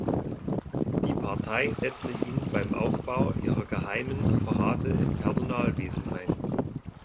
Die Partei setzte ihn beim Wiederaufbau ihrer geheimen Apparate im Personalwesen ein.